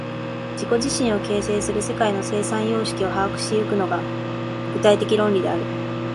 自己自身を形成する世界の生産様式を把握し行くのが、具体的論理である。